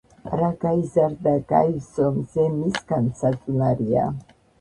რა გაიზარდა, გაივსო, მზე მისგან საწუნარია